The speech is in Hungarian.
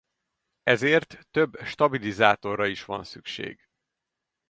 Ezért több stabilizátorra is van szükség.